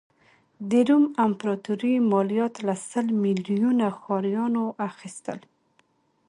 د روم امپراتوري مالیات له سل میلیونه ښاریانو اخیستل.